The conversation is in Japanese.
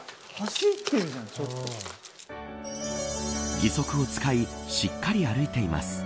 義足を使いしっかり歩いています。